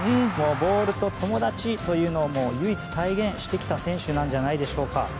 ボールと友達というのを唯一体現してきた選手なんじゃないんでしょうか。